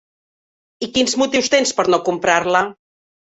I quins motius tens per no comprar-la?